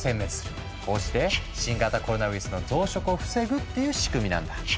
こうして新型コロナウイルスの増殖を防ぐっていう仕組みなんだ。